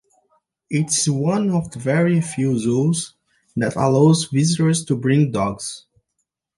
It is one of the very few zoos that allows visitors to bring dogs.